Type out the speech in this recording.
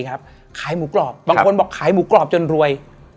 ขายหมูกรอบบางคนบอกขายหมูกรอบจนรวย